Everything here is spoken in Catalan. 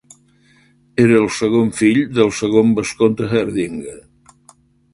Era el segon fill del segon vescomte Hardinge.